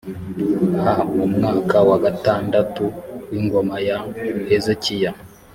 h mu mwaka wa gatandatu w ingoma ya hezekiya